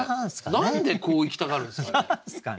何でこういきたがるんですかね。